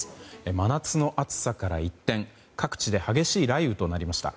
真夏の暑さから一転各地で激しい雷雨となりました。